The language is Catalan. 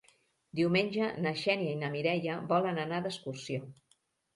Diumenge na Xènia i na Mireia volen anar d'excursió.